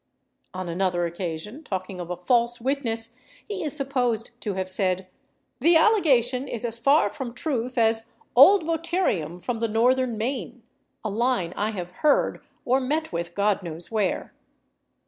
On another occasion, talking of a false witness, he is supposed to have said, "The allegation is as far from truth as 'old Boterium from the northern main' a line I have heard or met with, God knows where."